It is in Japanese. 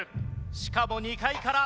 しかも２階から。